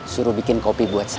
suruh bikin kopi buat saya